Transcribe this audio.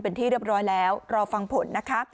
เป็นที่เรียบร้อยแล้วรอฟังผลนะคะ